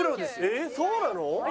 えっそうなの？